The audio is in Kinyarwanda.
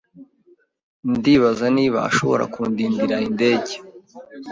Ndibaza niba ashobora kundindira indege.